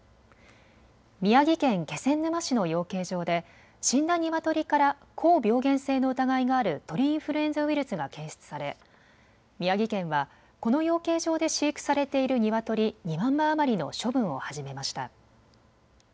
宮城県気仙沼市の養鶏場で死んだニワトリから高病原性の疑いがある鳥インフルエンザウイルスが検出され宮城県はこの養鶏場で飼育されているニワトリ２万羽余りの処分を始めました。